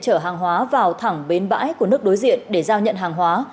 chở hàng hóa vào thẳng bến bãi của nước đối diện để giao nhận hàng hóa